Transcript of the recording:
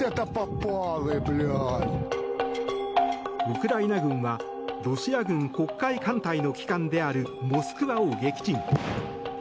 ウクライナ軍はロシア軍黒海艦隊の旗艦である「モスクワ」を撃沈。